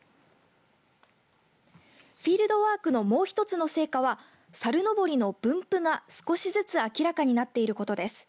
フィールドワークのもう一つの成果は猿のぼりの分布が少しずつ明らかになっていることです。